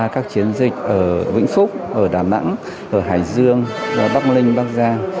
các chiến dịch ở vĩnh phúc ở đà nẵng ở hải dương bắc linh bắc giang